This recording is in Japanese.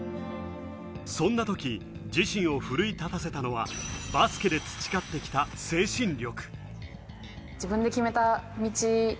そんな時自身を奮い立たせたのは、バスケで培ってきた精神力。